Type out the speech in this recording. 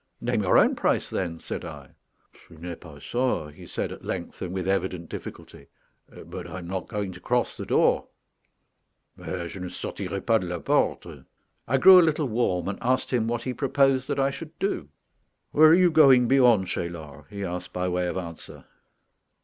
"Name your own price then," said I. "Ce n'est pas ça," he said at length, and with evident difficulty; "but I am not going to cross the door mais je ne sortirai pas de la porte." I grew a little warm, and asked him what he proposed that I should do. "Where are you going beyond Cheylard?" he asked by way of answer.